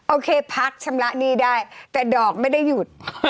โอเคพักชำระหนี้ได้แต่ดอกไม่ได้หยุด